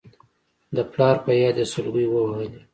د پلار په ياد يې سلګۍ ووهلې.